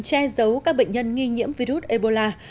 che giấu các bệnh nhân nghi nhiễm virus ebola